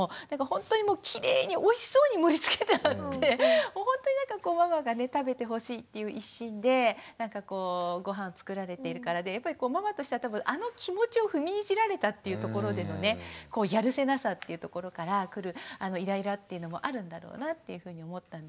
ほんとにきれいにおいしそうに盛りつけてあってほんとにママが食べてほしいっていう一心でなんかこうごはん作られているからでやっぱりママとしては多分あの気持ちを踏みにじられたっていうところでのねやるせなさっていうところから来るイライラっていうのもあるんだろうなっていうふうに思ったんですけども。